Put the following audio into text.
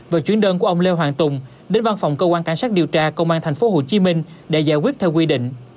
và chuyến đơn của ông lê hoàng tùng đến văn phòng cơ quan cảnh sát điều tra công an tp hcm để giải quyết theo quy định